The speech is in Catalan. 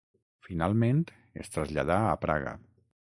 Finalment, es traslladà a Praga.